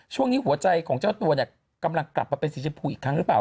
ช่วงนี้หัวใจของเจ้าตัวเนี่ยกำลังกลับมาเป็นสีชมพูอีกครั้งหรือเปล่า